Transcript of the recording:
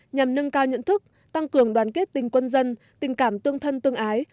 nhằm nâng cao nhận thức tăng cường đoàn kết tình quân dân tình cảm tương thân tương ái